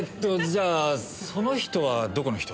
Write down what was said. じゃあその人はどこの人？